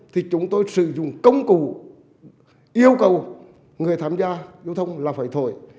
thì chúng tôi sử dụng công cụ yêu cầu người tham gia giao thông là phải thổi